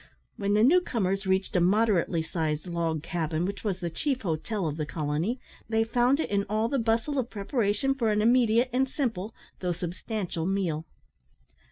When the new comers reached a moderately sized log cabin, which was the chief hotel of the colony, they found it in all the bustle of preparation for an immediate and simple, though substantial, meal.